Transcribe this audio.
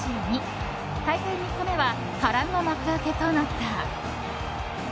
大会３日目は波乱の幕開けとなった。